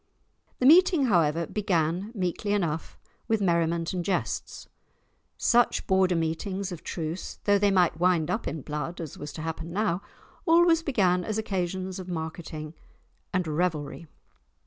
The meeting, however, began meekly enough, with merriment and jests. Such Border meetings of truce, though they might wind up in blood, as was to happen now, always began as occasions of marketing and revelry.